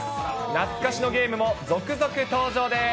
懐かしのゲームも続々登場です。